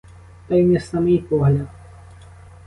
Та й не самий погляд!